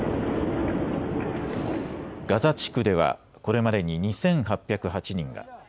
ガザ地区ではこれまでに２８０８人が。